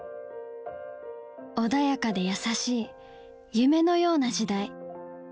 穏やかで優しい夢のような時代。